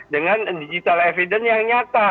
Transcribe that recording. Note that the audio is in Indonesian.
dengan digital evidence yang nyata